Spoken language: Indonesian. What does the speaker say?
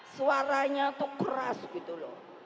suaranya itu keras gitu loh